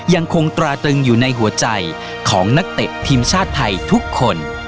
ยังคงตราตึงอยู่ในหัวใจของนักเตะทีมชาติไทยทุกคน